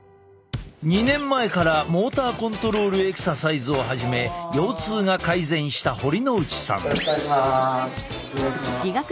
２年前からモーターコントロールエクササイズを始め腰痛が改善した堀之内さん。